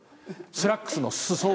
スラックスの裾を。